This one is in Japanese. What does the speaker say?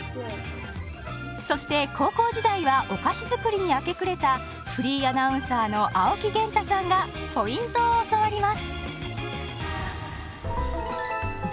そして高校時代はお菓子作りに明け暮れたフリーアナウンサーの青木源太さんがポイントを教わります！